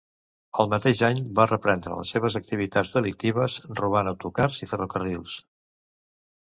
El mateix any va reprendre les seves activitats delictives, robant autocars i ferrocarrils.